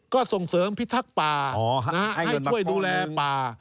ก็ส่งเสริมพิทักษ์ป่าให้ช่วยดูแลป่า